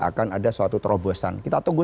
akan ada suatu terobosan kita tunggu